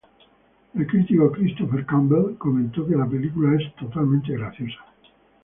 El crítico Christopher Campbell comentó que la película es "totalmente graciosa.